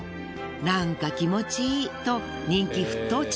なんか気持ちいいと人気沸騰中。